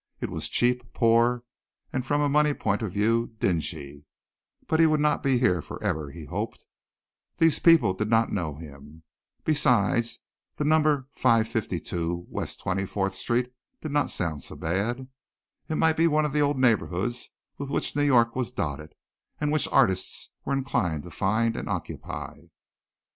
It was cheap, poor, from a money point of view, dingy, but he would not be here forever he hoped. These people did not know him. Besides the number 552 West 24th Street did not sound bad. It might be one of the old neighborhoods with which New York was dotted, and which artists were inclined to find and occupy.